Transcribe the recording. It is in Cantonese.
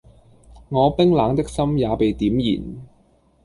我冰冷的心也被點燃